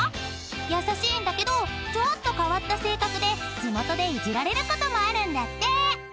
［優しいんだけどちょっと変わった性格で地元でいじられることもあるんだって］